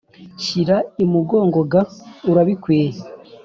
shyira imugongo ga urabikwiye